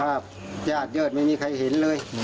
ญาติเยิดไม่มีใครเห็นเลย